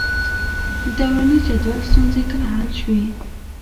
د دوراني جدول ستونزې کله حل شوې؟